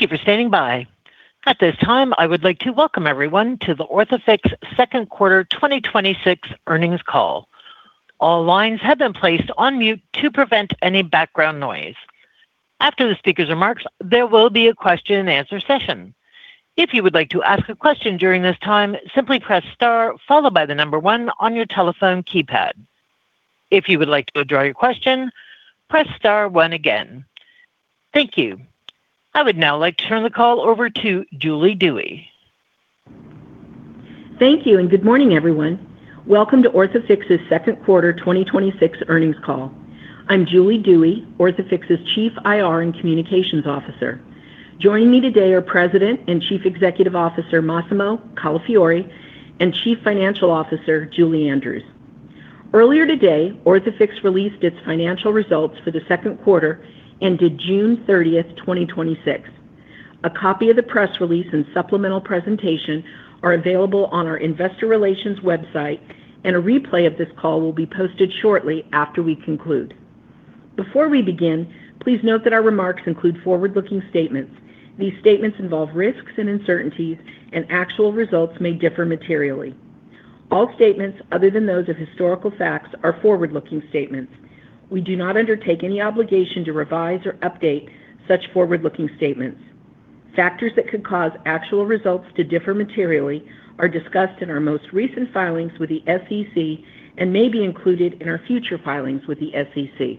Thank you for standing by. At this time, I would like to welcome everyone to the Orthofix second quarter 2026 earnings call. All lines have been placed on mute to prevent any background noise. After the speaker's remarks, there will be a question-and-answer session. If you would like to ask a question during this time, simply press star followed by the number one on your telephone keypad. If you would like to withdraw your question, press star one again. Thank you. I would now like to turn the call over to Julie Dewey. Thank you. Good morning, everyone. Welcome to Orthofix's second quarter 2026 earnings call. I'm Julie Dewey, Orthofix's Chief IR and Communications Officer. Joining me today are President and Chief Executive Officer, Massimo Calafiore, and Chief Financial Officer, Julie Andrews. Earlier today, Orthofix released its financial results for the second quarter ended June 30th, 2026. A copy of the press release and supplemental presentation are available on our investor relations website. A replay of this call will be posted shortly after we conclude. Before we begin, please note that our remarks include forward-looking statements. These statements involve risks and uncertainties, and actual results may differ materially. All statements other than those of historical facts are forward-looking statements. We do not undertake any obligation to revise or update such forward-looking statements. Factors that could cause actual results to differ materially are discussed in our most recent filings with the SEC and may be included in our future filings with the SEC.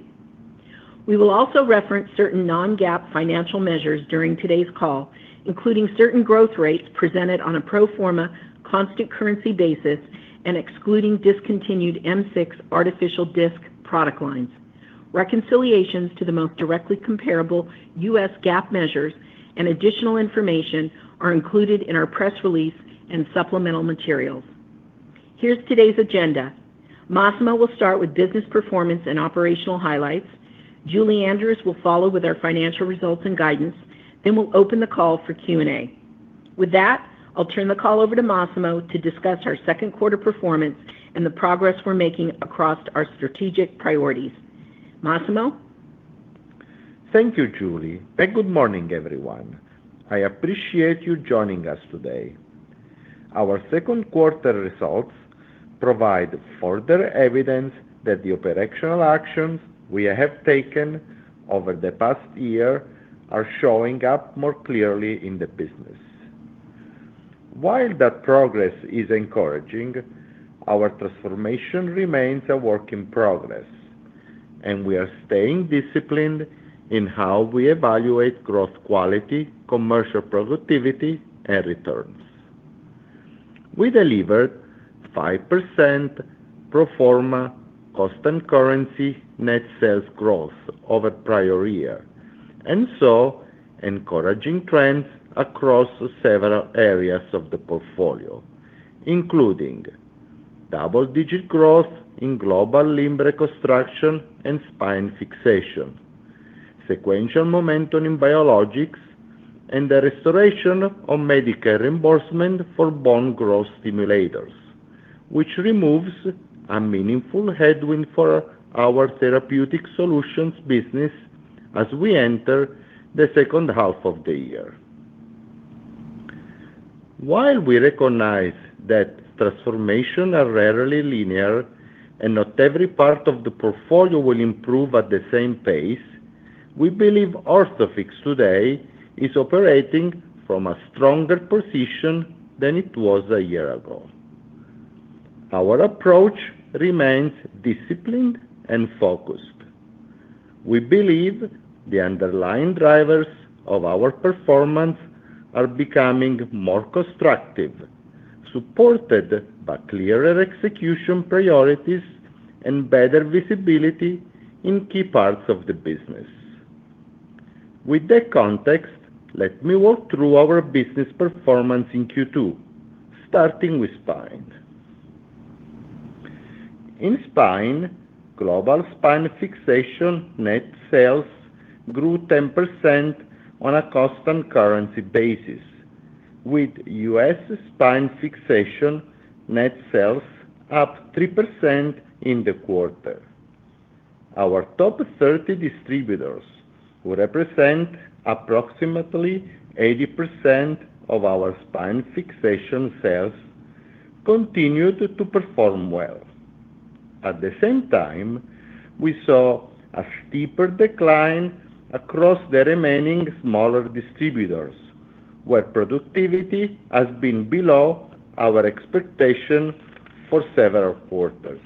We will also reference certain non-GAAP financial measures during today's call, including certain growth rates presented on a pro forma constant currency basis and excluding discontinued M6 artificial disc product lines. Reconciliations to the most directly comparable U.S. GAAP measures and additional information are included in our press release and supplemental materials. Here's today's agenda. Massimo will start with business performance and operational highlights. Julie Andrews will follow with our financial results and guidance. We'll open the call for Q&A. With that, I'll turn the call over to Massimo to discuss our second quarter performance and the progress we're making across our strategic priorities. Massimo? Thank you, Julie. Good morning, everyone. I appreciate you joining us today. Our second quarter results provide further evidence that the operational actions we have taken over the past year are showing up more clearly in the business. While that progress is encouraging, our transformation remains a work in progress, and we are staying disciplined in how we evaluate growth quality, commercial productivity, and returns. We delivered 5% pro forma constant currency net sales growth over prior year and saw encouraging trends across several areas of the portfolio, including double-digit growth in global limb reconstruction and spine fixation, sequential momentum in biologics, and the restoration of Medicare reimbursement for bone growth stimulators, which removes a meaningful headwind for our therapeutic solutions business as we enter the second half of the year. While we recognize that transformations are rarely linear and not every part of the portfolio will improve at the same pace, we believe Orthofix today is operating from a stronger position than it was a year ago. Our approach remains disciplined and focused. We believe the underlying drivers of our performance are becoming more constructive, supported by clearer execution priorities and better visibility in key parts of the business. With that context, let me walk through our business performance in Q2, starting with Spine. In Spine, global Spine fixation net sales grew 10% on a constant currency basis, with U.S. Spine fixation net sales up 3% in the quarter. Our top 30 distributors, who represent approximately 80% of our Spine fixation sales, continued to perform well. At the same time, we saw a steeper decline across the remaining smaller distributors, where productivity has been below our expectation for several quarters.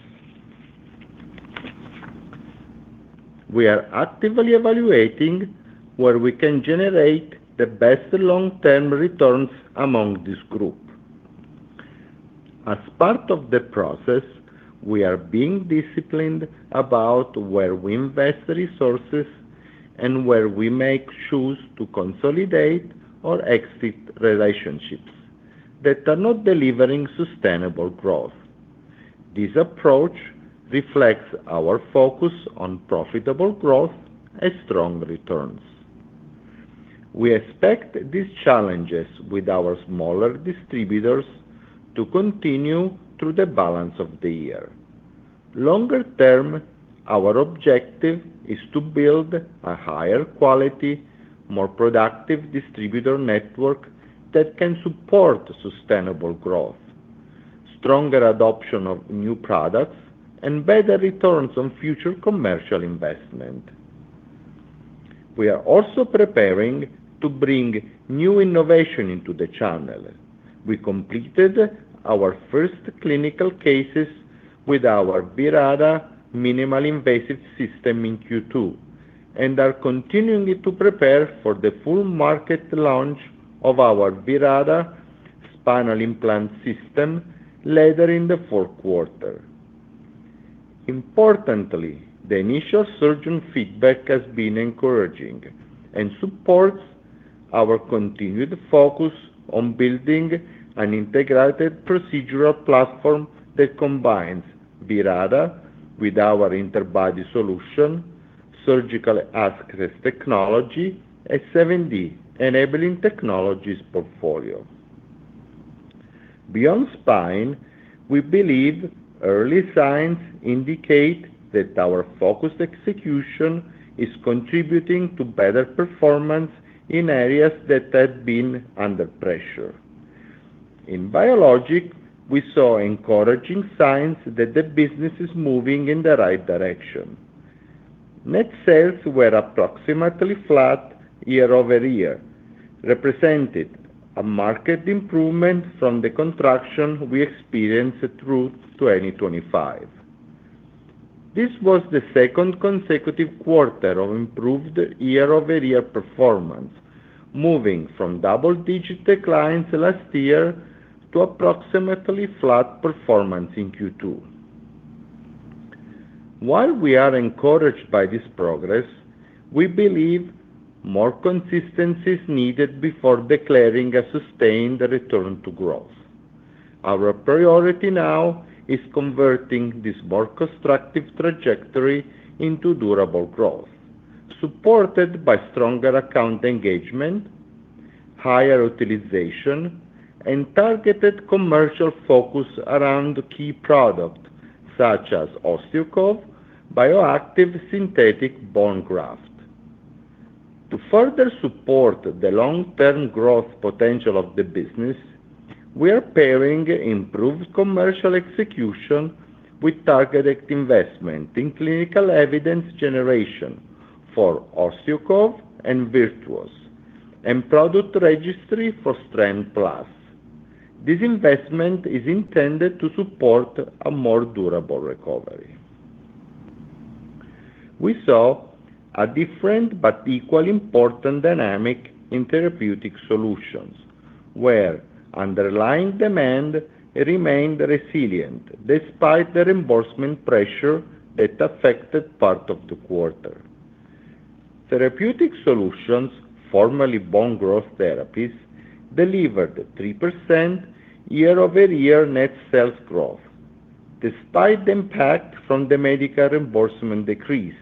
We are actively evaluating where we can generate the best long-term returns among this group. As part of the process, we are being disciplined about where we invest resources and where we may choose to consolidate or exit relationships that are not delivering sustainable growth. This approach reflects our focus on profitable growth and strong returns. We expect these challenges with our smaller distributors to continue through the balance of the year. Longer term, our objective is to build a higher quality, more productive distributor network that can support sustainable growth, stronger adoption of new products, and better returns on future commercial investment. We are also preparing to bring new innovation into the channel. We completed our first clinical cases with our VIRATA minimally invasive system in Q2, and are continuing to prepare for the full market launch of our VIRATA spinal implant system later in the fourth quarter. Importantly, the initial surgeon feedback has been encouraging and supports our continued focus on building an integrated procedural platform that combines VIRATA with our interbody solution, surgical access technology, a 7D enabling technologies portfolio. Beyond Spine, we believe early signs indicate that our focused execution is contributing to better performance in areas that had been under pressure. In Biologics, we saw encouraging signs that the business is moving in the right direction. Net sales were approximately flat year-over-year, represented a market improvement from the contraction we experienced through 2025. This was the second consecutive quarter of improved year-over-year performance, moving from double-digit declines last year to approximately flat performance in Q2. While we are encouraged by this progress, we believe more consistency is needed before declaring a sustained return to growth. Our priority now is converting this more constructive trajectory into durable growth, supported by stronger account engagement, higher utilization, and targeted commercial focus around key product such as OsteoCove bioactive synthetic bone graft. To further support the long-term growth potential of the business, we are pairing improved commercial execution with targeted investment in clinical evidence generation for OsteoCove and Virtuos and product registry for Strand Plus. This investment is intended to support a more durable recovery. We saw a different but equally important dynamic in Therapeutic Solutions, where underlying demand remained resilient despite the reimbursement pressure that affected part of the quarter. Therapeutic Solutions, formerly Bone Growth Therapies, delivered 3% year-over-year net sales growth, despite the impact from the Medicare reimbursement decrease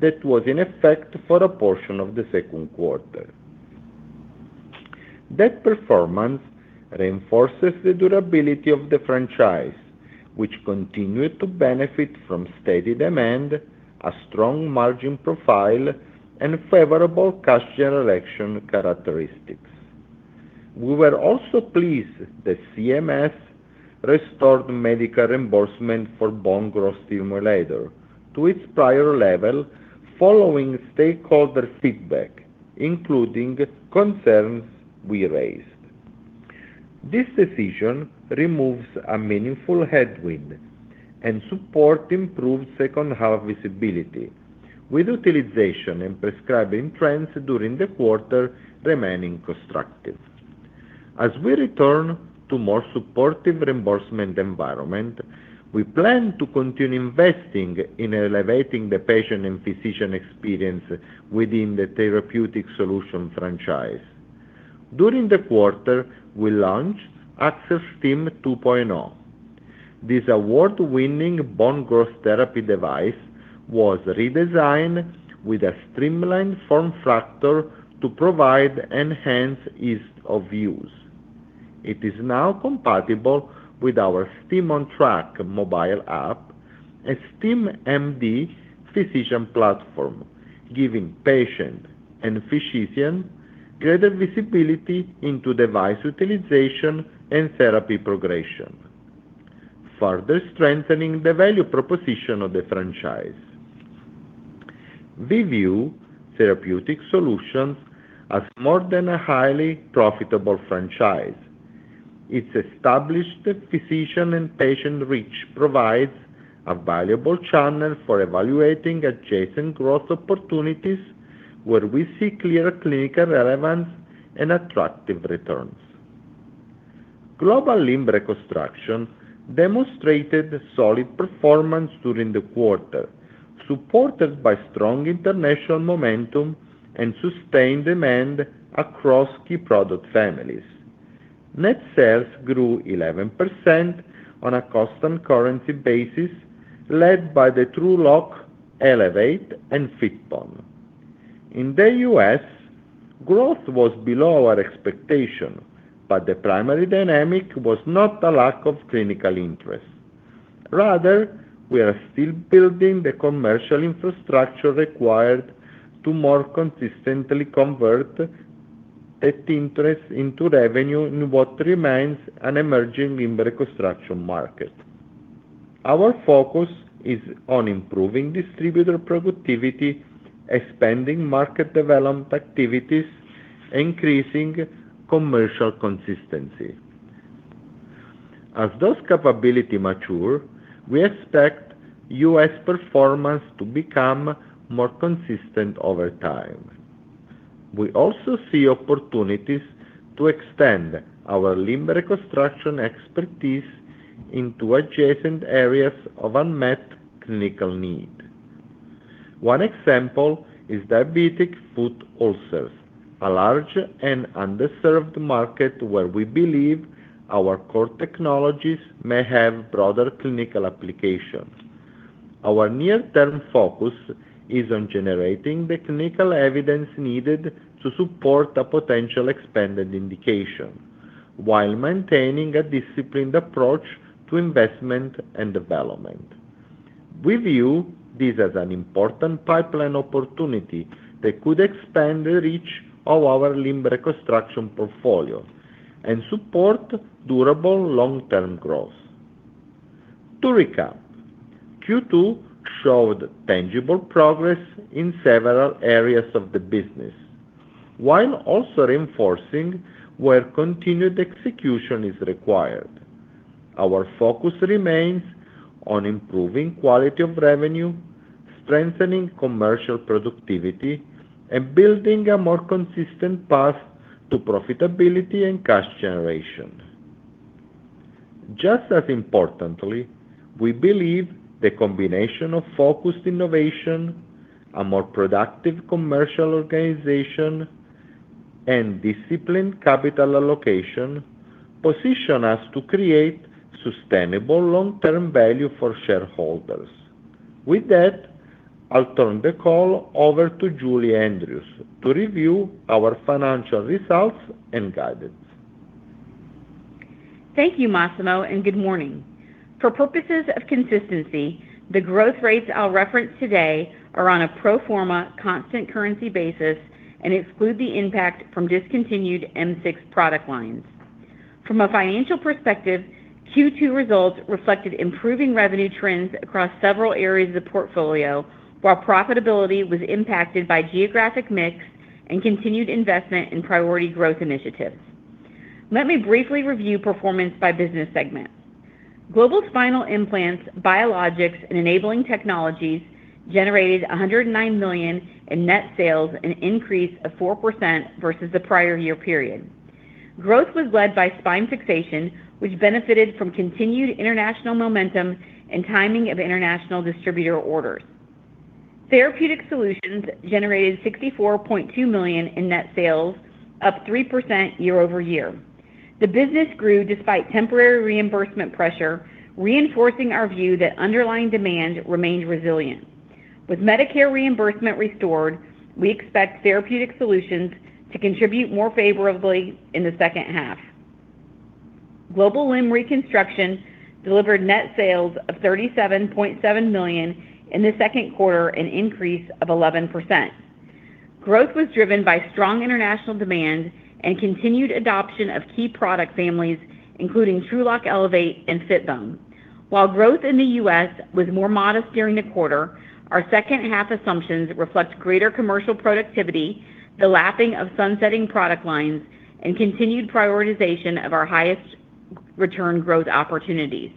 that was in effect for a portion of the second quarter. That performance reinforces the durability of the franchise, which continued to benefit from steady demand, a strong margin profile, and favorable cash generation characteristics. We were also pleased that CMS restored Medicare reimbursement for bone growth stimulator to its prior level following stakeholder feedback, including concerns we raised. This decision removes a meaningful headwind and supports improved second half visibility, with utilization and prescribing trends during the quarter remaining constructive. As we return to more supportive reimbursement environment, we plan to continue investing in elevating the patient and physician experience within the therapeutic solution franchise. During the quarter, we launched AccelStim 2.0. This award-winning bone growth therapy device was redesigned with a streamlined form factor to provide enhanced ease of use. It is now compatible with our STIM onTrack mobile app, a STIM MD physician platform, giving patient and physician greater visibility into device utilization and therapy progression, further strengthening the value proposition of the franchise. We view therapeutic solutions as more than a highly profitable franchise. Its established physician and patient reach provides a valuable channel for evaluating adjacent growth opportunities where we see clear clinical relevance and attractive returns. Global limb reconstruction demonstrated solid performance during the quarter, supported by strong international momentum and sustained demand across key product families. Net sales grew 11% on a constant currency basis, led by the TrueLok Elevate and Fitbone. In the U.S., growth was below our expectation, but the primary dynamic was not a lack of clinical interest. Rather, we are still building the commercial infrastructure required to more consistently convert that interest into revenue in what remains an emerging limb reconstruction market. Our focus is on improving distributor productivity, expanding market development activities, increasing commercial consistency. As those capabilities mature, we expect U.S. performance to become more consistent over time. We also see opportunities to extend our limb reconstruction expertise into adjacent areas of unmet clinical need. One example is diabetic foot ulcers, a large and underserved market where we believe our core technologies may have broader clinical applications. Our near-term focus is on generating the clinical evidence needed to support a potential expanded indication while maintaining a disciplined approach to investment and development. We view this as an important pipeline opportunity that could expand the reach of our limb reconstruction portfolio and support durable long-term growth. To recap, Q2 showed tangible progress in several areas of the business while also reinforcing where continued execution is required. Our focus remains on improving quality of revenue, strengthening commercial productivity, and building a more consistent path to profitability and cash generation. Just as importantly, we believe the combination of focused innovation, a more productive commercial organization, and disciplined capital allocation position us to create sustainable long-term value for shareholders. With that, I'll turn the call over to Julie Andrews to review our financial results and guidance. Thank you, Massimo, and good morning. For purposes of consistency, the growth rates I'll reference today are on a pro forma constant currency basis and exclude the impact from discontinued M6 product lines. From a financial perspective, Q2 results reflected improving revenue trends across several areas of the portfolio, while profitability was impacted by geographic mix and continued investment in priority growth initiatives. Let me briefly review performance by business segment. Global spinal implants, biologics, and enabling technologies generated $109 million in net sales, an increase of 4% versus the prior year period. Growth was led by spine fixation, which benefited from continued international momentum and timing of international distributor orders. Therapeutic solutions generated $64.2 million in net sales, up 3% year-over-year. The business grew despite temporary reimbursement pressure, reinforcing our view that underlying demand remains resilient. With Medicare reimbursement restored, we expect therapeutic solutions to contribute more favorably in the second half. Global limb reconstruction delivered net sales of $37.7 million in the second quarter, an increase of 11%. Growth was driven by strong international demand and continued adoption of key product families, including TrueLok Elevate and Fitbone. While growth in the U.S. was more modest during the quarter, our second half assumptions reflect greater commercial productivity, the lapping of sunsetting product lines, and continued prioritization of our highest return growth opportunities.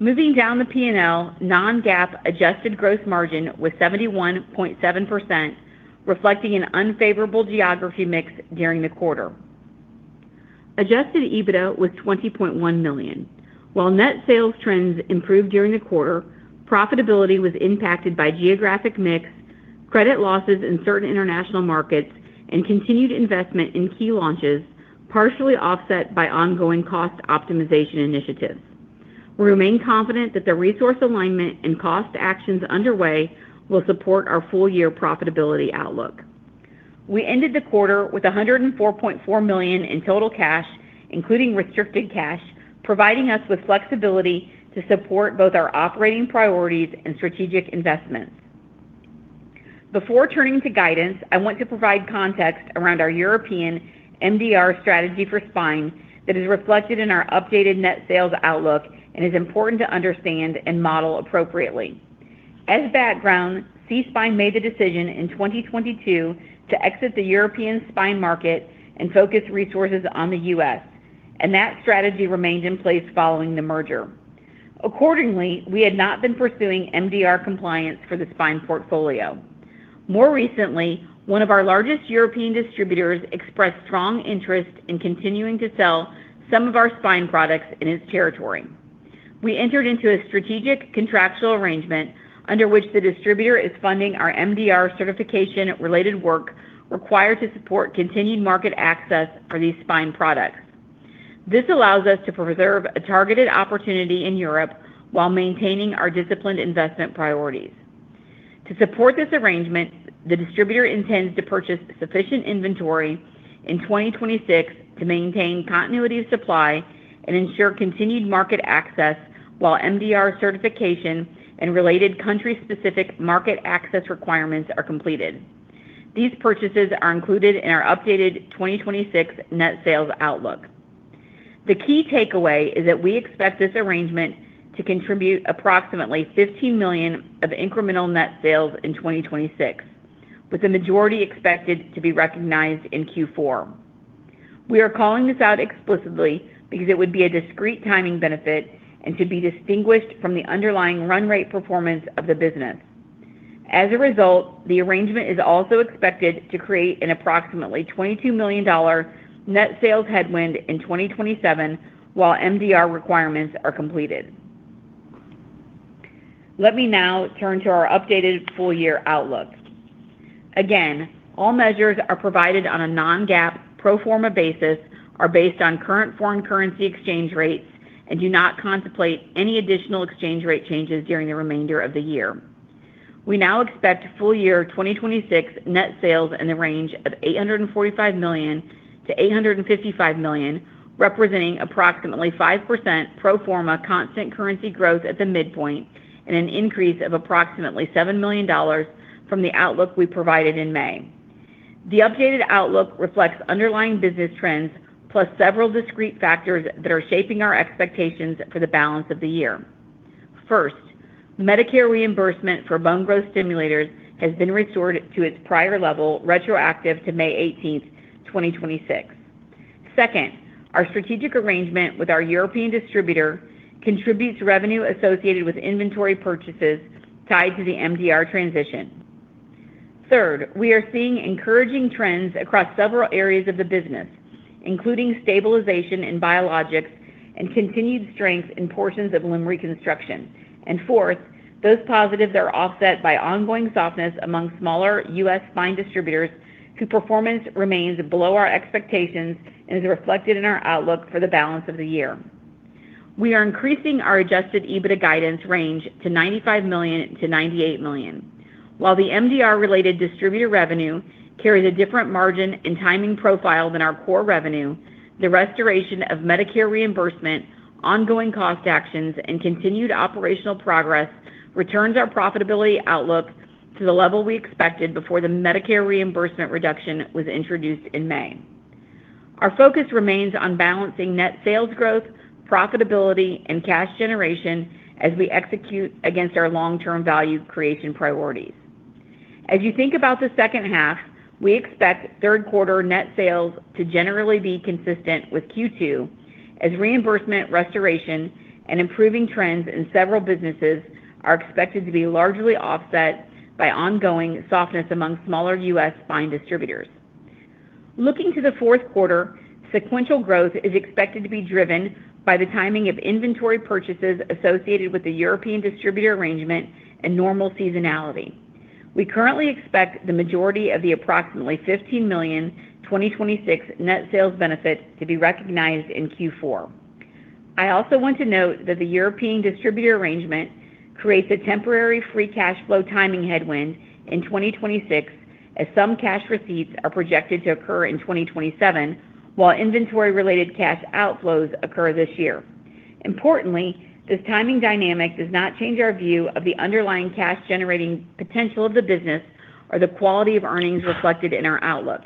Moving down the P&L, non-GAAP adjusted gross margin was 71.7%, reflecting an unfavorable geography mix during the quarter. Adjusted EBITDA was $20.1 million. While net sales trends improved during the quarter, profitability was impacted by geographic mix, credit losses in certain international markets, and continued investment in key launches, partially offset by ongoing cost optimization initiatives. We remain confident that the resource alignment and cost actions underway will support our full year profitability outlook. We ended the quarter with $104.4 million in total cash, including restricted cash, providing us with flexibility to support both our operating priorities and strategic investments. Before turning to guidance, I want to provide context around our European MDR strategy for spine that is reflected in our updated net sales outlook and is important to understand and model appropriately. As background, SeaSpine made the decision in 2022 to exit the European spine market and focus resources on the U.S., and that strategy remained in place following the merger. Accordingly, we had not been pursuing MDR compliance for the spine portfolio. More recently, one of our largest European distributors expressed strong interest in continuing to sell some of our spine products in its territory. We entered into a strategic contractual arrangement under which the distributor is funding our MDR certification-related work required to support continued market access for these spine products. This allows us to preserve a targeted opportunity in Europe while maintaining our disciplined investment priorities. To support this arrangement, the distributor intends to purchase sufficient inventory in 2026 to maintain continuity of supply and ensure continued market access while MDR certification and related country-specific market access requirements are completed. These purchases are included in our updated 2026 net sales outlook. The key takeaway is that we expect this arrangement to contribute approximately $15 million of incremental net sales in 2026, with the majority expected to be recognized in Q4. We are calling this out explicitly because it would be a discrete timing benefit and to be distinguished from the underlying run rate performance of the business. As a result, the arrangement is also expected to create an approximately $22 million net sales headwind in 2027 while MDR requirements are completed. Let me now turn to our updated full-year outlook. Again, all measures are provided on a non-GAAP pro forma basis, are based on current foreign currency exchange rates, and do not contemplate any additional exchange rate changes during the remainder of the year. We now expect full-year 2026 net sales in the range of $845 million-$855 million, representing approximately 5% pro forma constant currency growth at the midpoint and an increase of approximately $7 million from the outlook we provided in May. The updated outlook reflects underlying business trends plus several discrete factors that are shaping our expectations for the balance of the year. First, Medicare reimbursement for bone growth stimulators has been restored to its prior level, retroactive to May 18th, 2026. Second, our strategic arrangement with our European distributor contributes revenue associated with inventory purchases tied to the MDR transition. Third, we are seeing encouraging trends across several areas of the business, including stabilization in Biologics and continued strength in portions of Limb Reconstruction. Fourth, those positives are offset by ongoing softness among smaller U.S. spine distributors whose performance remains below our expectations and is reflected in our outlook for the balance of the year. We are increasing our adjusted EBITDA guidance range to $95 million-$98 million. While the MDR-related distributor revenue carries a different margin and timing profile than our core revenue, the restoration of Medicare reimbursement, ongoing cost actions, and continued operational progress returns our profitability outlook to the level we expected before the Medicare reimbursement reduction was introduced in May. Our focus remains on balancing net sales growth, profitability, and cash generation as we execute against our long-term value creation priorities. As you think about the second half, we expect third quarter net sales to generally be consistent with Q2 as reimbursement restoration and improving trends in several businesses are expected to be largely offset by ongoing softness among smaller U.S. spine distributors. Looking to the fourth quarter, sequential growth is expected to be driven by the timing of inventory purchases associated with the European distributor arrangement and normal seasonality. We currently expect the majority of the approximately $15 million, 2026 net sales benefit to be recognized in Q4. I also want to note that the European distributor arrangement creates a temporary free cash flow timing headwind in 2026, as some cash receipts are projected to occur in 2027, while inventory-related cash outflows occur this year. Importantly, this timing dynamic does not change our view of the underlying cash-generating potential of the business or the quality of earnings reflected in our outlook.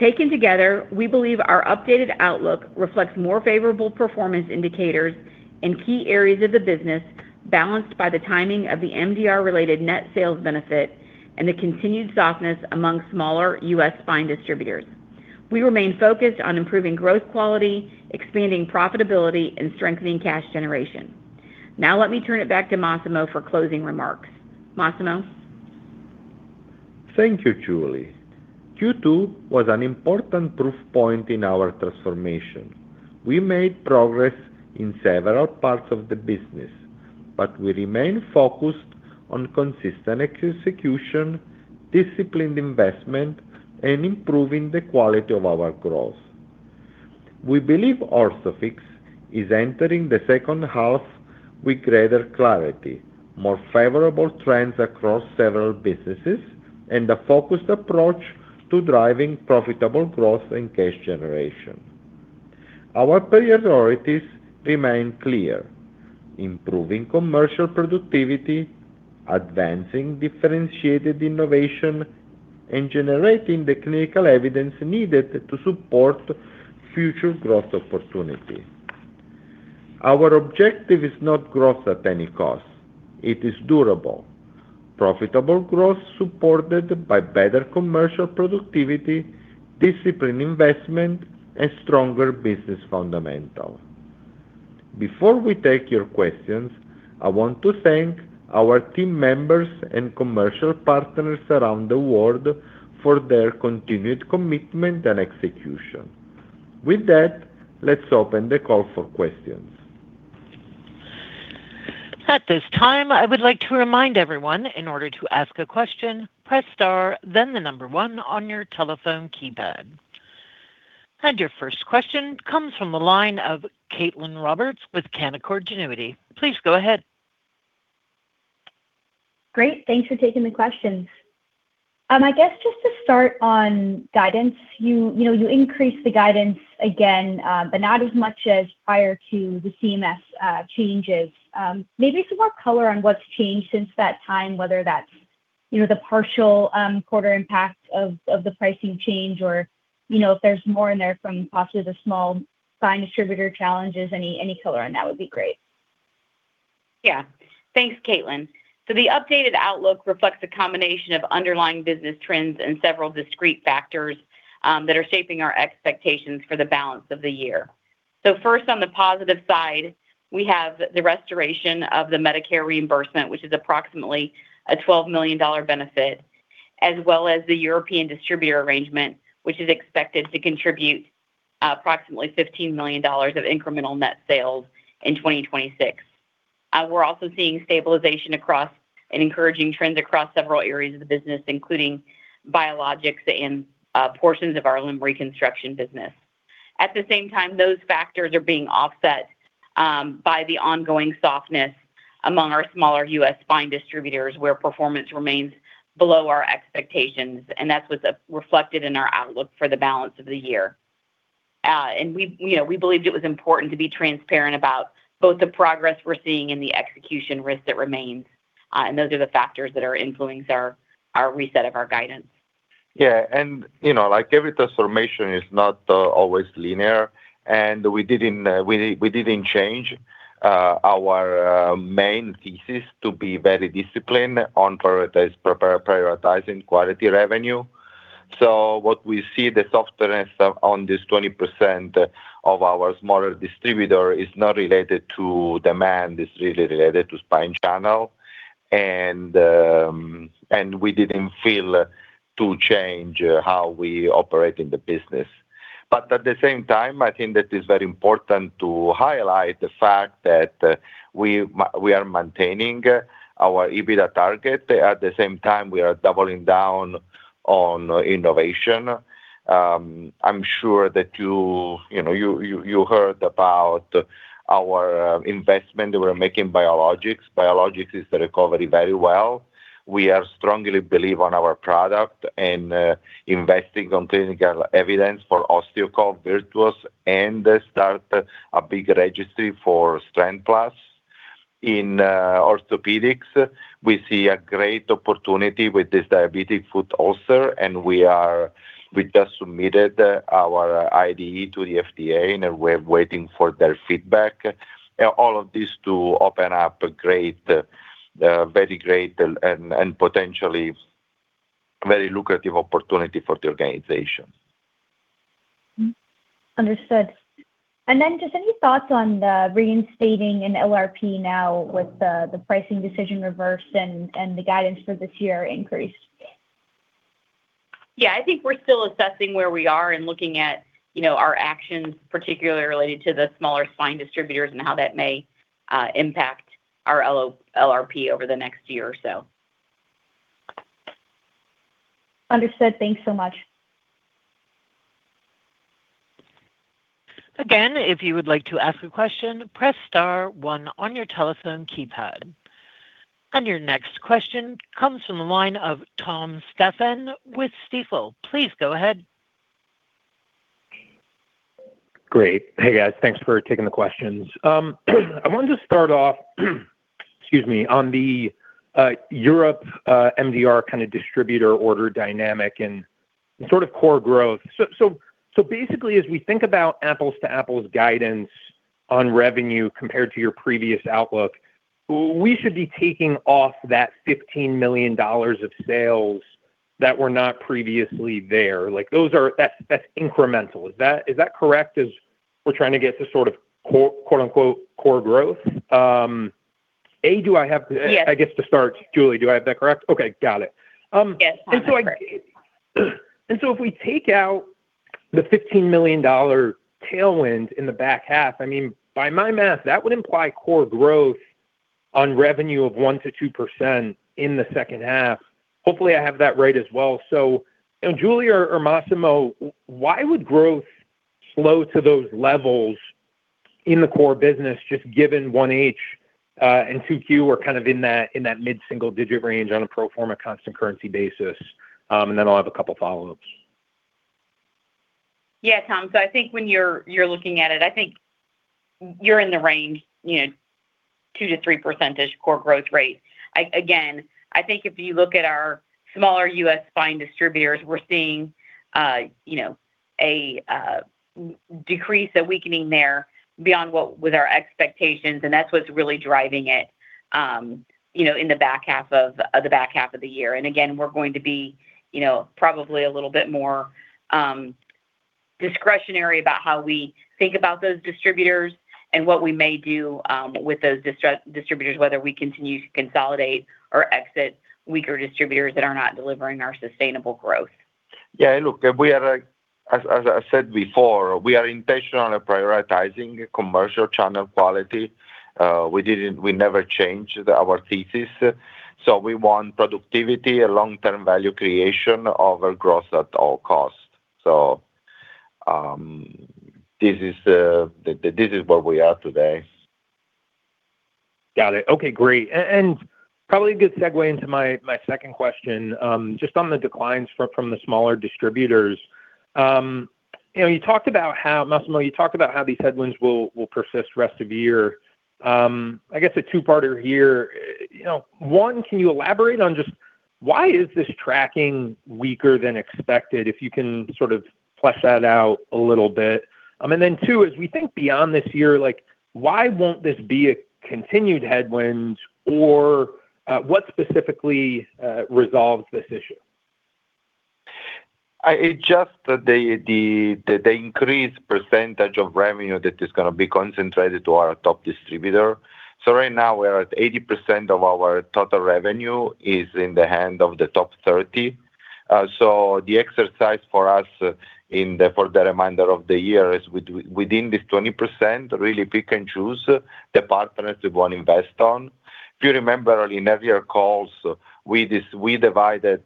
Taken together, we believe our updated outlook reflects more favorable performance indicators in key areas of the business, balanced by the timing of the MDR-related net sales benefit and the continued softness among smaller U.S. spine distributors. Let me turn it back to Massimo for closing remarks. Massimo? Thank you, Julie. Q2 was an important proof point in our transformation. We made progress in several parts of the business, but we remain focused on consistent execution, disciplined investment, and improving the quality of our growth. We believe Orthofix is entering the second half with greater clarity, more favorable trends across several businesses, and a focused approach to driving profitable growth and cash generation. Our priorities remain clear: improving commercial productivity, advancing differentiated innovation, and generating the clinical evidence needed to support future growth opportunities. Our objective is not growth at any cost. It is durable, profitable growth supported by better commercial productivity, disciplined investment, and stronger business fundamentals. Before we take your questions, I want to thank our team members and commercial partners around the world for their continued commitment and execution. With that, let's open the call for questions. At this time, I would like to remind everyone, in order to ask a question, press star then the number one on your telephone keypad. Your first question comes from the line of Caitlin Roberts with Canaccord Genuity. Please go ahead. Great. Thanks for taking the questions. I guess just to start on guidance, you increased the guidance again, but not as much as prior to the CMS changes. Maybe some more color on what's changed since that time, whether that's the partial quarter impact of the pricing change or if there's more in there from possibly the small spine distributor challenges. Any color on that would be great. Thanks, Caitlin. The updated outlook reflects a combination of underlying business trends and several discrete factors that are shaping our expectations for the balance of the year. First, on the positive side, we have the restoration of the Medicare reimbursement, which is approximately a $12 million benefit, as well as the European distributor arrangement, which is expected to contribute approximately $15 million of incremental net sales in 2026. We're also seeing stabilization and encouraging trends across several areas of the business, including biologics and portions of our limb reconstruction business. At the same time, those factors are being offset by the ongoing softness among our smaller U.S. spine distributors, where performance remains below our expectations, and that's what's reflected in our outlook for the balance of the year. We believed it was important to be transparent about both the progress we're seeing and the execution risk that remains, and those are the factors that are influencing our reset of our guidance. Every transformation is not always linear, and we didn't change our main thesis to be very disciplined on prioritizing quality revenue. What we see, the softness on this 20% of our smaller distributors is not related to demand, it's really related to spine channel. We didn't feel to change how we operate in the business. At the same time, I think that is very important to highlight the fact that we are maintaining our EBITDA target. At the same time, we are doubling down on innovation. I'm sure that you heard about our investment that we're making biologics. Biologics is recovering very well. We strongly believe in our product and investing in clinical evidence for OsteoCove, Virtuos, and start a big registry for Strand Plus. In orthopedics, we see a great opportunity with this diabetic foot ulcer, and we just submitted our IDE to the FDA, and we're waiting for their feedback. All of this to open up a very great and potentially very lucrative opportunity for the organization. Understood. Just any thoughts on the reinstating an LRP now with the pricing decision reversed and the guidance for this year increased? Yeah, I think we're still assessing where we are and looking at our actions, particularly related to the smaller spine distributors and how that may impact our LRP over the next year or so. Understood. Thanks so much. Again, if you would like to ask a question, press star one on your telephone keypad. Your next question comes from the line of Tom Stephan with Stifel. Please go ahead. Great. Hey, guys. Thanks for taking the questions. I wanted to start off on the Europe MDR distributor order dynamic and core growth. Basically, as we think about apples-to-apples guidance on revenue compared to your previous outlook, we should be taking off that $15 million of sales that were not previously there. That's incremental. Is that correct as we're trying to get to sort of quote unquote "core growth?" A, I guess to start, Julie, do I have that correct? Okay, got it. Yes. If we take out the $15 million tailwind in the back half, by my math, that would imply core growth on revenue of 1%-2% in the second half. Hopefully, I have that right as well. Julie or Massimo, why would growth slow to those levels in the core business, just given 1H and 2Q are in that mid-single digit range on a pro forma constant currency basis? Then I'll have a couple of follow-ups. Yeah, Tom. I think when you're looking at it, I think you're in the range, 2%-3% core growth rate. Again, I think if you look at our smaller U.S. spine distributors, we're seeing a decrease, a weakening there beyond what was our expectations, and that's what's really driving it in the back half of the year. Again, we're going to be probably a little bit more discretionary about how we think about those distributors and what we may do with those distributors, whether we continue to consolidate or exit weaker distributors that are not delivering our sustainable growth. Yeah, look, as I said before, we are intentional on prioritizing commercial channel quality. We never change our thesis. We want productivity, a long-term value creation over growth at all costs. This is where we are today. Got it. Okay, great. Probably a good segue into my second question, just on the declines from the smaller distributors. Massimo, you talked about how these headwinds will persist rest of the year. I guess a two-parter here. One, can you elaborate on just why is this tracking weaker than expected? If you can sort of flesh that out a little bit. Then two, as we think beyond this year, why won't this be a continued headwind? Or what specifically resolves this issue? It's just that the increased percentage of revenue that is going to be concentrated to our top distributor. Right now we are at 80% of our total revenue is in the hand of the top 30. The exercise for us for the remainder of the year is within this 20%, really pick and choose the partners we want invest on. If you remember in earlier calls, we divided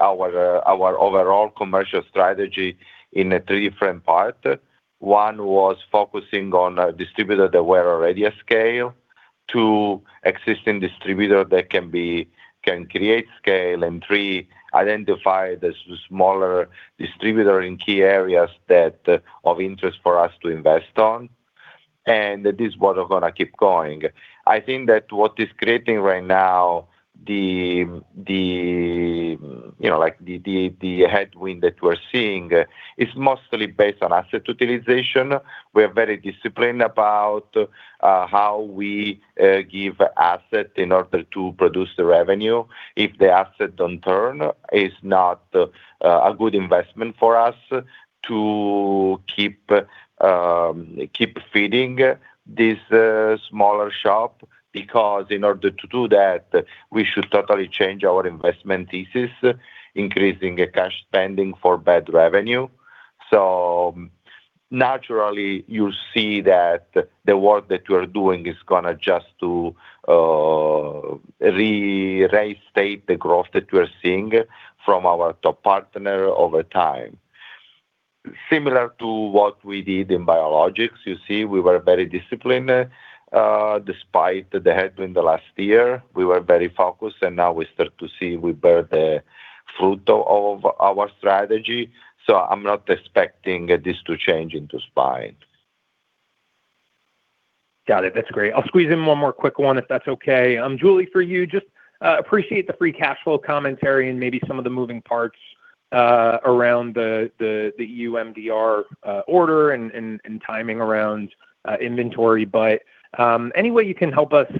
our overall commercial strategy in three different parts. One was focusing on a distributor that were already at scale. Two, existing distributor that can create scale. Three, identify the smaller distributor in key areas of interest for us to invest on. This is what we're going to keep going. I think that what is creating right now the headwind that we're seeing is mostly based on asset utilization. We're very disciplined about how we give asset in order to produce the revenue. If the asset don't turn, it's not a good investment for us to keep feeding this smaller shop. In order to do that, we should totally change our investment thesis, increasing cash spending for bad revenue. Naturally, you see that the work that we are doing is going to adjust to restate the growth that we're seeing from our top partner over time. Similar to what we did in biologics, you see we were very disciplined despite the headwind the last year. We were very focused, now we start to see we bear the fruit of our strategy. I'm not expecting this to change into spine. Got it. That's great. I'll squeeze in one more quick one if that's okay. Julie, for you, just appreciate the free cash flow commentary and maybe some of the moving parts around the EU MDR order and timing around inventory. Any way you can help us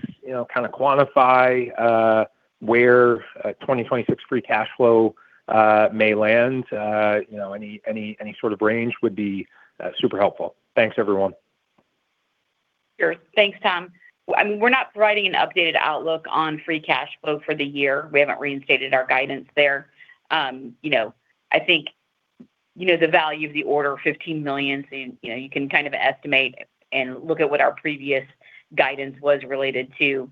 kind of quantify where 2026 free cash flow may land, any sort of range would be super helpful. Thanks, everyone. Sure. Thanks, Tom. We're not providing an updated outlook on free cash flow for the year. We haven't reinstated our guidance there. I think the value of the order, $15 million, you can kind of estimate and look at what our previous guidance was related to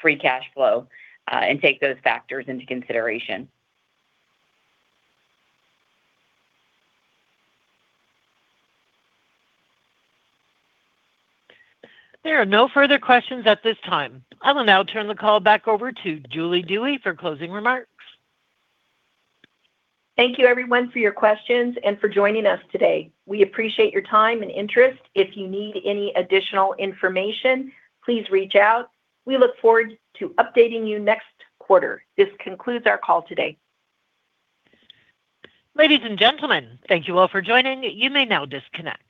free cash flow and take those factors into consideration. There are no further questions at this time. I will now turn the call back over to Julie Dewey for closing remarks. Thank you everyone for your questions and for joining us today. We appreciate your time and interest. If you need any additional information, please reach out. We look forward to updating you next quarter. This concludes our call today. Ladies and gentlemen, thank you all for joining. You may now disconnect.